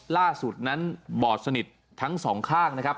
ล่าสุดนั้นบอดสนิททั้งสองข้างนะครับ